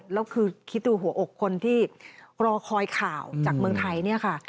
แล้วคือคิดดูหัวอกคนที่รอคอยข่าวจากเมืองไทยเนี่ยค่ะ